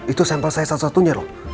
itu sampel saya satu satunya loh